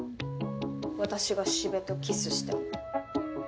私が四部とキスしても。